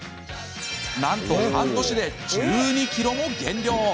なんと半年で１２ｋｇも減量。